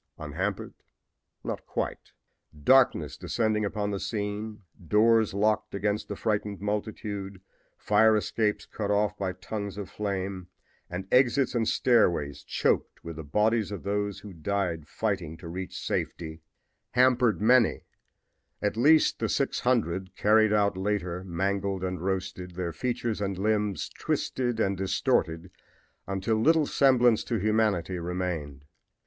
Unhampered not quite! Darkness descending upon the scene, doors locked against the frightened multitude, fire escapes cut off by tongues of flame and exits and stairways choked with the bodies of those who died fighting to reach safety hampered many at least the six hundred carried out later mangled and roasted, their features and limbs twisted and distorted until little semblance to humanity remained.